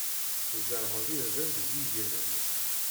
Tzerɛeḍ irden deg yiger-nnek.